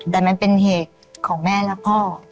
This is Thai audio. แต่มันเป็นเหตุของแม่และพ่อ